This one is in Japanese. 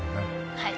はい。